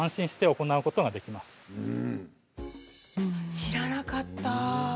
知らなかった。